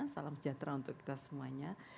salam sejahtera untuk kita semuanya